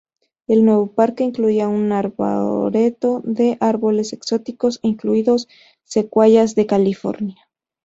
El nuevo parque incluía un arboreto de árboles exóticos, incluidos secuoyas de California.